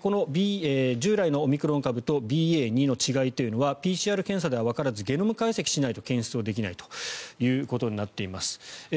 この従来のオミクロン株とＢＡ．２の違いというのはＰＣＲ検査ではわからずゲノム解析しないと検出できないということになっています。